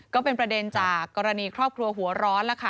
ก็เป็นประเด็นจากกรณีครอบครัวหัวร้อนแล้วค่ะ